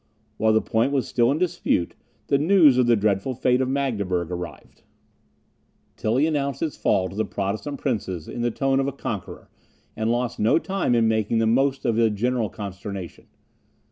While the point was still in dispute, the news of the dreadful fate of Magdeburg arrived. Tilly announced its fall to the Protestant princes in the tone of a conqueror, and lost no time in making the most of the general consternation.